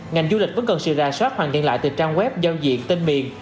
ngành du lịch vẫn cần sự ra soát hoàn thiện lại từ trang web giao diện tên miền